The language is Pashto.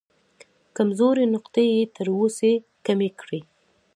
کمزورې نقطې یې تر وسې کمې کړې.